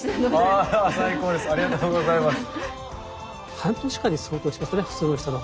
半年間に相当しますね普通の人の。